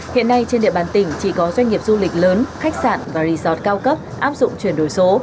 hiện nay trên địa bàn tỉnh chỉ có doanh nghiệp du lịch lớn khách sạn và resort cao cấp áp dụng chuyển đổi số